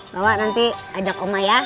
bawa nanti ajak oma ya